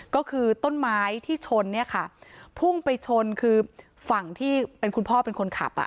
ก็คือต้นไม้ที่ชนพุ่งไปชนคือฝั่งที่เป็นคุณพ่อเป็นคนขับ